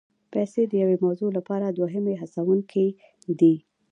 پیسې د یوې موضوع لپاره دوهمي هڅوونکي دي.